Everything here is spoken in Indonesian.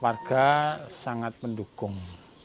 warga sangat mendukung